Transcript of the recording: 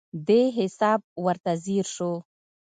دې حساب ورته ځیر شو.